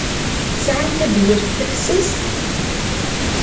Tesɛam tabyirt tafessast?